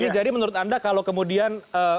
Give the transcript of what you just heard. jadi menurut anda kalau kemudian